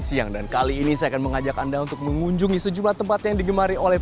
siang dan kali ini saya akan mengajak anda untuk mengunjungi sejumlah tempat yang digemari oleh